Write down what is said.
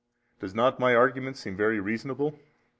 does not my argument seem very reasonable?